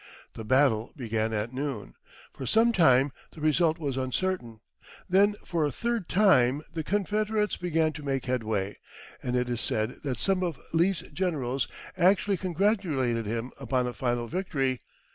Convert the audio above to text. The battle began at noon. For some time the result was uncertain. Then for a third time the Confederates began to make headway, and it is said that some of Lee's generals actually congratulated him upon a final victory.